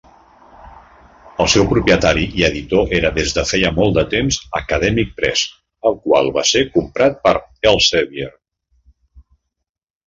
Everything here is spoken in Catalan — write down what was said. El seu propietari i editor era des de feia molt de temps Academic Press, el qual va ser comprat per Elsevier.